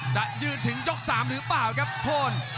จะยืนถึงยก๓หรือเปล่าครับโทน